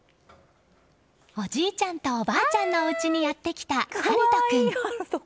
おじいちゃんとおばあちゃんのおうちにやってきた、晴柊君。